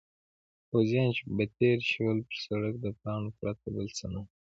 پوځیان چې به تېر شول پر سړک د پاڼو پرته بل څه نه وو.